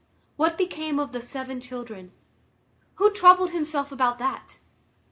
What became of the seven children? Who troubled himself about that?